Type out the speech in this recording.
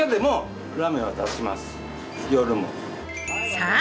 さあ！